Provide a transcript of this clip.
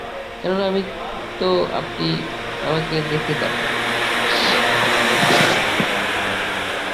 কেননা আমি তো আপনি আপনাকে দেখিতাম না।